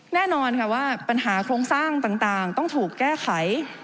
แน่นอนค่ะว่าปัญหาโครงสร้างต่างต้องถูกแก้ไข